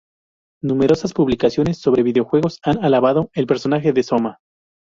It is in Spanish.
Numerosas publicaciones sobre videojuegos han alabado el personaje de Soma.